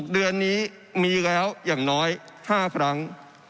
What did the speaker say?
เดือนนี้มีแล้วอย่างน้อย๕ครั้ง